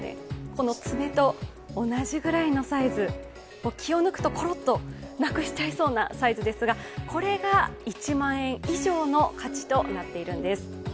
この爪と同じぐらいのサイズ気を抜くところっとなくしてしまいそうなサイズですがこれが１万円以上の価値となっているんです。